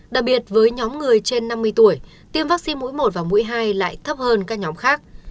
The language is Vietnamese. đặc biệt với nhóm người trên năm mươi tuổi tiêm vaccine mũi một và mũi hai lại thấp hơn các nhóm khác